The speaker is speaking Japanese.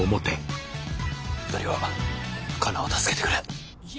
２人はカナを助けてくれ。